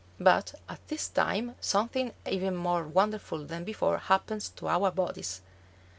But at this time something even more wonderful than before happens to our bodies.